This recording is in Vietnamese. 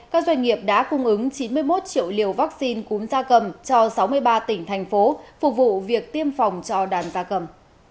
các doanh nghiệp đã cung ứng chín mươi một triệu liều vaccine cúm da cầm cho sáu mươi ba tỉnh thành phố phục vụ việc tiêm phòng cho đàn gia cầm